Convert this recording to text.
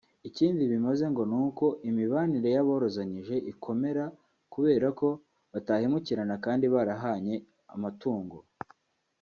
Ikindi bimaze ngo ni uko imibanire y’aborozanyije ikomera kubera ko batahemukirana kandi barahanye amatungo